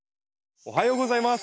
おはようございます。